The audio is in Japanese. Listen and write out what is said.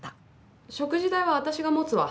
食事代は私が持つわ。